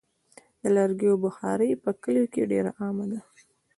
د لرګیو بخاري په کلیو کې ډېره عامه ده.